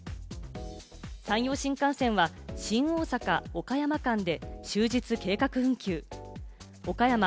山陽新幹線は新大阪−岡山間で終日、計画運休。